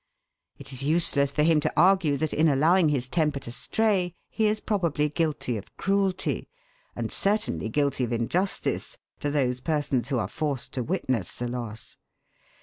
It is useless for him to argue that in allowing his temper to stray he is probably guilty of cruelty, and certainly guilty of injustice to those persons who are forced to witness the loss.